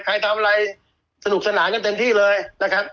ใครทำอะไรสนุกสนานกันเต็มที่เลยนะครับ